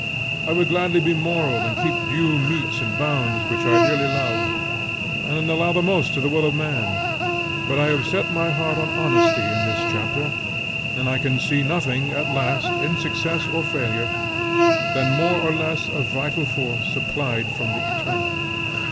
I would gladly be moral and keep due metes and bounds, which I dearly love, and allow the most to the will of man; but I have set my heart on honesty in this chapter, and I can see nothing at last, in success or failure, than more or less of vital force supplied from the Eternal.